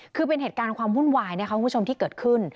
คือเป็นเหตุการณ์ความวุ่นวายนะคะคุณผู้ชมที่เกิดขึ้น